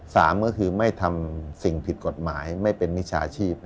สามก็คือไม่ทำสิ่งผิดกฎหมายไม่เป็นมิจฉาชีพ